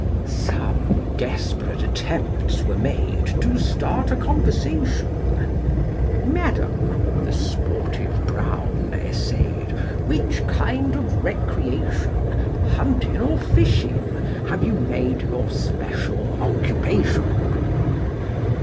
Some desperate attempts were made To start a conversation; "Madam," the sportive Brown essayed, "Which kind of recreation, Hunting or fishing, have you made Your special occupation?"